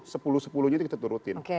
sepuluh sepuluhnya itu kita turutin